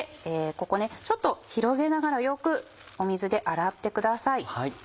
ここねちょっと広げながらよく水で洗ってください。